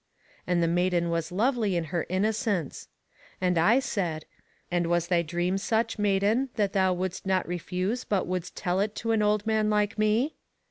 And the maiden was lovely in her innocence. And I said: And was thy dream such, maiden, that thou wouldst not refuse but wouldst tell it to an old man like me?